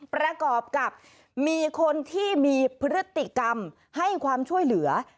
ประกอบกับมีคนที่มีพฤติกรรมให้ความช่วยเหลือ